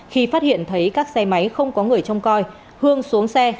khi phát hiện thấy các xe máy không có người trông coi hương xuống xe